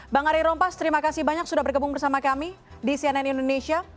bang ari rompas terima kasih banyak sudah bergabung bersama kami di cnn indonesia